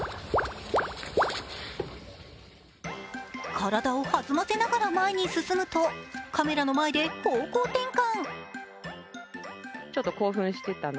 体を弾ませながら前に進むとカメラの前で方向転換。